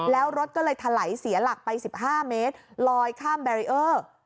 แล้วรถก็เลยถลายเสียหลักไป๑๕เมตรลอยข้ามแบรีเออร์